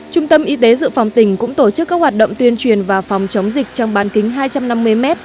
trung tâm y tế dự phòng tỉnh cũng tổ chức các hoạt động tuyên truyền và phòng chống dịch trong bán kính hai trăm năm mươi m